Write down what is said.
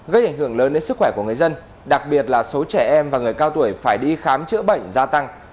gây ảnh hưởng lớn đến sức khỏe của người dân đặc biệt là số trẻ em và người cao tuổi phải đi khám chữa bệnh gia tăng